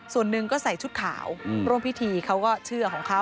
ส่วนหนึ่งก็ใส่ชุดขาวร่วมพิธีเขาก็เชื่อของเขา